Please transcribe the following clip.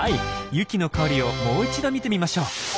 ユキの狩りをもう一度見てみましょう。